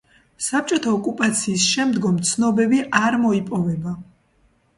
საბჭოთა ოკუპაციის შემდგომ ცნობები არ მოიპოვება.